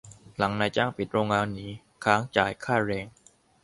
หลังนายจ้างปิดโรงงานหนี-ค้างจ่ายค่าแรง